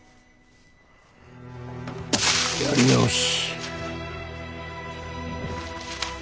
やり直し。